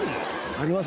あります